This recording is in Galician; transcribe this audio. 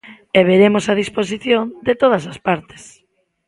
E veremos a disposición de todas as partes.